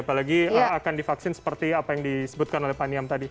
apalagi akan divaksin seperti apa yang disebutkan oleh pak niam tadi